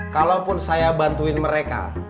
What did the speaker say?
kalaupun saya bantuin mereka